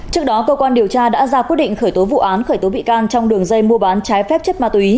trước đó cơ quan điều tra đã ra quyết định khởi tố vụ án khởi tố bị can trong đường dây mua bán trái phép chất ma túy